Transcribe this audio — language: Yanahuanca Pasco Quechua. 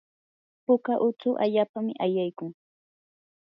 puka utsu allapami ayaykun.